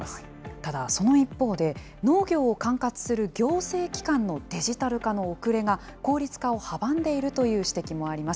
ただその一方で、農業を管轄する行政機関のデジタル化の遅れが効率化を阻んでいるという指摘もあります。